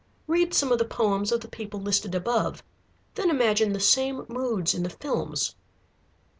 Read some of the poems of the people listed above, then imagine the same moods in the films.